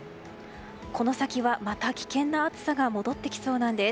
この先は、また危険な暑さが戻ってきそうなんです。